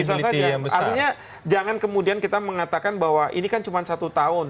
bisa saja artinya jangan kemudian kita mengatakan bahwa ini kan cuma satu tahun